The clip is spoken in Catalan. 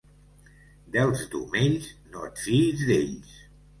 Dels d'Omells, no et fiïs d'ells.